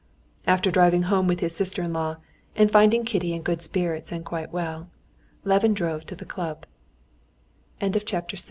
After driving home with his sister in law, and finding Kitty in good spirits and quite well, Levin drove to the